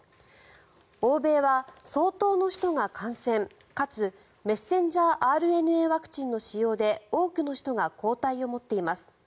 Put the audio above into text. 欧米は相当の人が感染、かつメッセンジャーＲＮＡワクチンの使用で多くの人が抗体を持っています。